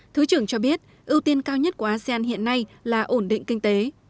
thứ trưởng cho biết ưu tiên cao nhất của asean hiện nay là ổn định kinh tế